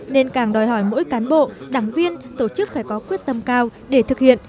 nên càng đòi hỏi mỗi cán bộ đảng viên tổ chức phải có quyết tâm cao để thực hiện